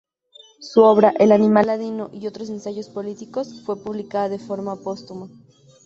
Su obra "El animal ladino y otros ensayos políticos" fue publicada de forma póstuma.